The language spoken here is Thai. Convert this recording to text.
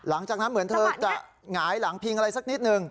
หลังจากนั้นเหมือนเธอจะหงายหลังพิงอะไรสักนิดนึง